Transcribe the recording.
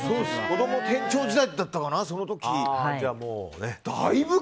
こども店長時代だったかなその時。